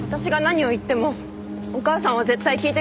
私が何を言ってもお母さんは絶対聞いてくれない。